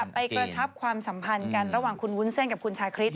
ไปกระชับความสัมพันธ์กันระหว่างคุณวุ้นเส้นกับคุณชาคริส